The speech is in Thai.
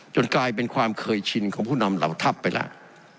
กลายเป็นความเคยชินของผู้นำเหล่าทัพไปแล้ว